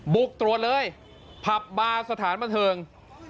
บุกตรวจเลยผับบาร์สถานบันเทิง